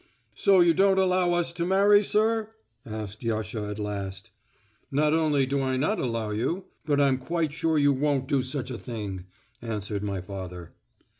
"So you don't allow us to marry, sir?" asked Yasha at last. "Not only do I not allow you, but I'm quite sure you won't do such a thing," answered my father.